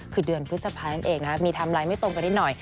คือเดือนพฤษภานั่นเองมีไทม์ไลน์ไม่ตรงกันนิดหน่อย